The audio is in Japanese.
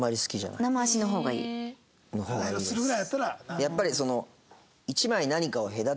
やっぱりその。